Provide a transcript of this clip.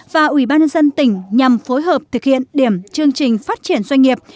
và ubnd tỉnh nhằm phối hợp thực hiện điểm chương trình phát triển doanh nghiệp